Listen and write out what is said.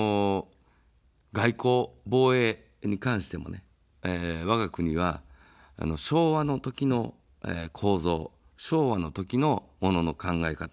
外交、防衛に関してもね、わが国は、昭和の時の構造、昭和の時のものの考え方。